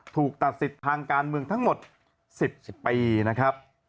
ถูกตัดสิทธิ์ทางการเมืองทั้งหมด๑๐ปีนะครับ